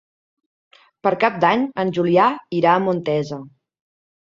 Per Cap d'Any en Julià irà a Montesa.